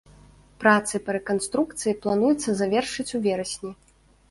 Працы па рэканструкцыі плануецца завершыць у верасні.